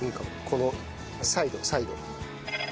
このサイドサイド。